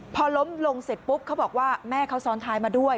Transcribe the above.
พอล้มลงเสร็จปุ๊บเขาบอกว่าแม่เขาซ้อนท้ายมาด้วย